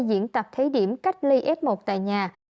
diễn tập thế điểm cách ly f một tại nhà